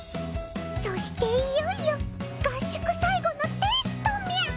そしていよいよ合宿最後のテストみゃ！